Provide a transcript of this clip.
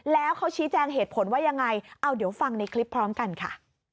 แล้วเขาชี้แจงเหตุผลว่ายังไงเอาเดี๋ยวฟังในคลิปพร้อมกันค่ะ